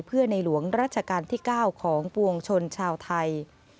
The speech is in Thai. เพื่อในหลวงรัชกาลที่๙ของปวงชนชาวไทย